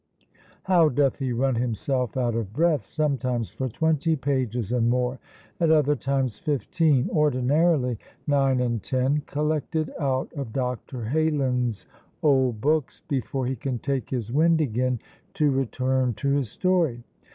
How doth he run himself out of breath, sometimes for twenty pages and more, at other times fifteen, ordinarily nine and ten, collected out of Dr. Heylin's old books, before he can take his wind again to return to his story!